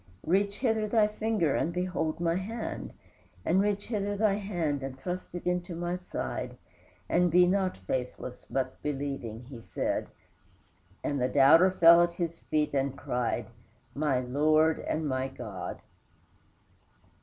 "Reach hither thy finger and behold my hand, and reach hither thy hand and thrust it into my side, and be not faithless but believing," he said, and the doubter fell at his feet and cried, "My Lord and my God!"